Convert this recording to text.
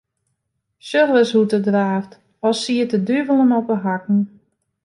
Sjoch ris hoe't er draaft, as siet de duvel him op 'e hakken.